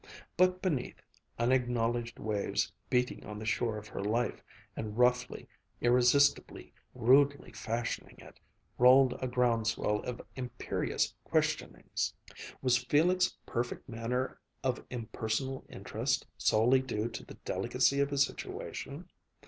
But beneath unacknowledged waves beating on the shore of her life and roughly, irresistibly, rudely fashioning it rolled a ground swell of imperious questionings.... Was Felix' perfect manner of impersonal interest solely due to the delicacy of his situation?